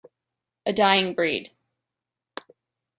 A dying breed.